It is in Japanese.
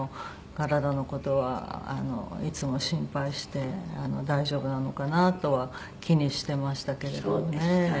体の事はいつも心配して大丈夫なのかな？とは気にしてましたけれどもね。